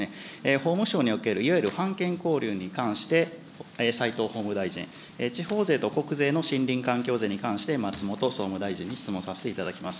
法務省におけるいわゆる判検交流に関して、齋藤法務大臣、地方税と国税の森林環境税に関して、松本総務大臣に質問させていただきます。